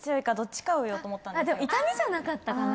痛みじゃなかったかな。